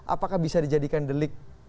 apakah bisa dijadikan delik